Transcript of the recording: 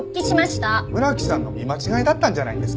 村木さんの見間違いだったんじゃないんですか？